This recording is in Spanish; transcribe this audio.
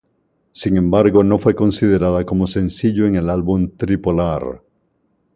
Sin embargo no fue considerada como sencillo en el álbum Tri-Polar.